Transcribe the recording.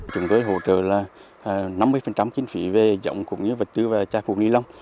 chúng tôi hỗ trợ năm mươi kinh phí về dòng cũng như vật tư và chai phụ ni lông